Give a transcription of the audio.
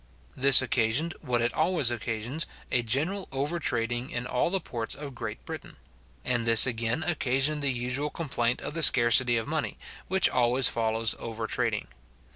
This occasioned, what it always occasions, a general over trading in all the ports of Great Britain; and this again occasioned the usual complaint of the scarcity of money, which always follows over trading.